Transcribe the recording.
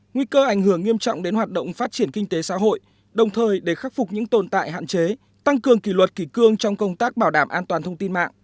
nguy cơ ảnh hưởng nghiêm trọng đến hoạt động phát triển kinh tế xã hội đồng thời để khắc phục những tồn tại hạn chế tăng cường kỷ luật kỷ cương trong công tác bảo đảm an toàn thông tin mạng